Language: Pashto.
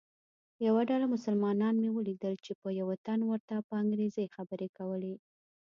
یوه ډله مسلمانان مې ولیدل چې یوه تن ورته په انګریزي خبرې کولې.